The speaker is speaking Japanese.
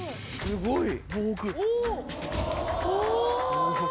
すごい。